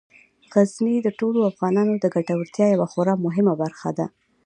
غزني د ټولو افغانانو د ګټورتیا یوه خورا مهمه برخه ده.